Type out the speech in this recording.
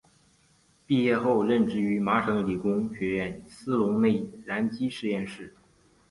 毕业后任职于麻省理工学院斯龙内燃机实验室。